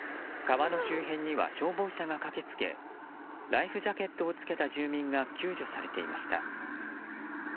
川の周辺には消防車が駆けつけライフジャケットをつけた住民が救助されていました。